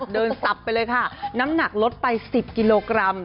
สับไปเลยค่ะน้ำหนักลดไป๑๐กิโลกรัม